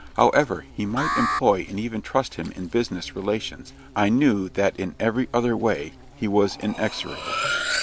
However he might employ and even trust him in business relations, I knew that in every other way he was inexorable.